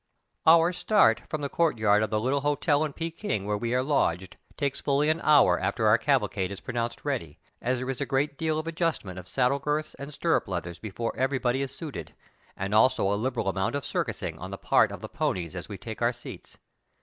Our start from the courtyard of the little hotel in Pekin where we are lodged takes fully an hour after our cavalcade is pronounced ready, as there is a great deal of adjustment of saddle girths and stirrup leathers before everybody is suited, and also a liberal amount of "circusing" on the part of the ponies as we take our seats.